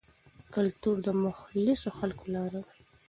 کلتور د مخلصو خلکو لاره ده.